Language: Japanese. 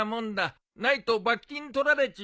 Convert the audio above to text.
ないと罰金取られちまうぞ。